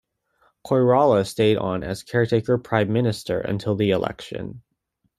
Koirala stayed on as caretaker Prime Minister until the election.